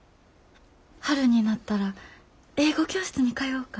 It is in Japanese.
春になったら英語教室に通おうか。